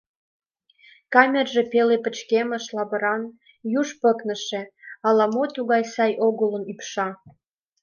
Камерже пеле пычкемыш, лавыран, юж пыкныше, ала-мо тугай сай огылын ӱпша.